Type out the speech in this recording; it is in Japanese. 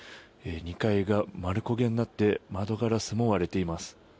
２階が丸焦げになって窓ガラスも割れています。